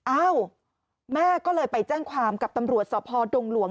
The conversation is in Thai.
อ้าวแม่ก็เลยไปแจ้งความกับตำรวจสพดงหลวง